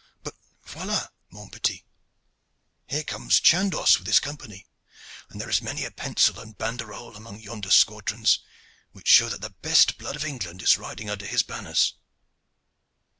But voila, mon petit, here comes Chandos and his company, and there is many a pensil and banderole among yonder squadrons which show that the best blood of England is riding under his banners."